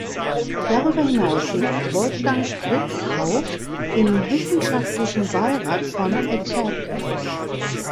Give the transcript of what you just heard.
Darüber hinaus sitzt Wolfgang Fritz Haug im wissenschaftlichen Beirat von attac.